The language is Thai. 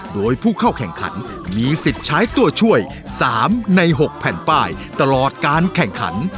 โดยผู้เข้าแข่งขันมีสิทธิ์ใช้ตัวช่วย๓ใน๖แผ่นป้ายตลอดการแข่งขัน